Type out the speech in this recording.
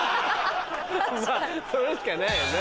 まぁそれしかないよな。